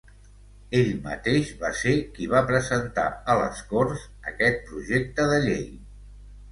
Ell mateix va ser qui va presentar a les Corts aquest projecte de llei.